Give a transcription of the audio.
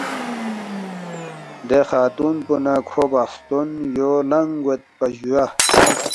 دے خاتُون پو نہ کھو بخستون یولانگ گویدپا جُویا